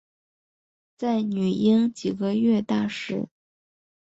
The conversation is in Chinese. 在女婴几个月大时